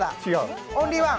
オンリーワン。